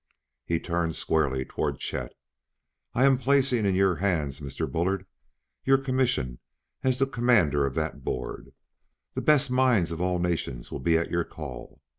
He turned squarely toward Chet. "I am placing in your hands, Mr. Bullard, your commission as Commander of that Board. The best minds of all nations will be at your call.